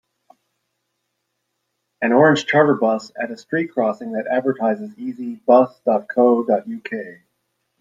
An orange charter bus at a street crossing that advertises easy Bus.co.uk.